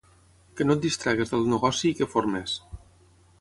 Que no et distreguis del negoci i que formis